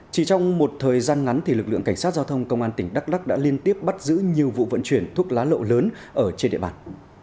chỉ trong một thời gian ngắn lực lượng cảnh sát giao thông công an tỉnh đắk lắc đã liên tiếp bắt giữ nhiều vụ vận chuyển thuốc lá lậu lớn ở trên địa bàn